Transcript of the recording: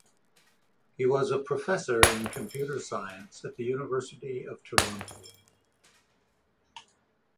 He was a Professor in Computer Science at the University of Toronto.